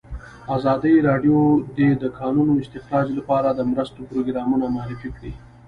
ازادي راډیو د د کانونو استخراج لپاره د مرستو پروګرامونه معرفي کړي.